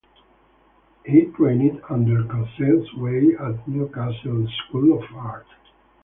He trained under Cosens Way at Newcastle school of Art.